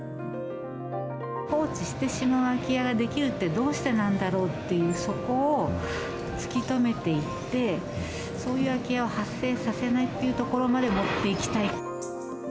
放置してしまう空き家ができるって、どうしてなんだろうっていう、そこを突き止めていって、そういう空き家を発生させないっていうところまで持っていきたい。